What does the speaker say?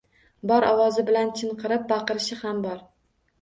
Bor ovozi bilan chinqirib baqirishi ham bor.